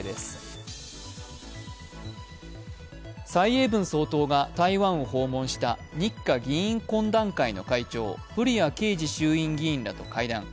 蔡英文総統が、台湾を訪問した日華議員懇談会の会長、古屋圭司衆院議員らと会談。